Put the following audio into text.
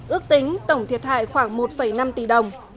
ước tính tổng thiệt hại khoảng một năm tỷ đồng